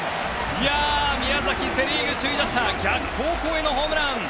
宮崎、セ・リーグ首位打者逆方向へのホームラン！